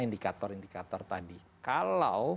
indikator indikator tadi kalau